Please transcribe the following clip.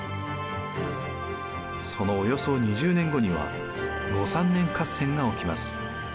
そのおよそ２０年後には後三年合戦が起きます。